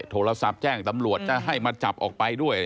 โทรศัพท์แจ้งตำรวจจะให้มาจับออกไปด้วย